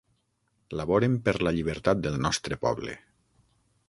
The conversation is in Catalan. Laboren per la llibertat del nostre poble.